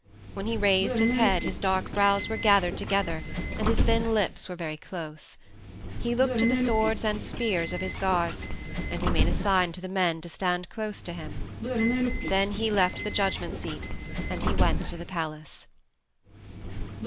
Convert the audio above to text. When he raised his head his dark brows were gathered together and his thin lips were very close. He looked to the swords and spears of his guards, and he made a sign to the men to stand close to him. Then he left the judgment seat and he went to the palace.